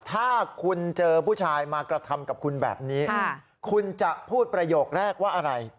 ถ้าคุณเจอผู้ชายมากระทำกับคุณแบบนี้คุณจะพูดประโยคแรกว่าอะไร